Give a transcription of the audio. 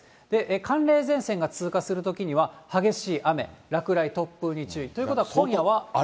寒冷前線が通過するときには、激しい雨、落雷、突風に注意ということは今夜は。